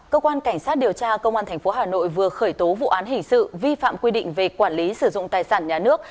cơ quan cảnh sát điều tra công an tp hà nội vừa khởi tố vụ án hình sự vi phạm quy định về quản lý sử dụng tài sản nhà nước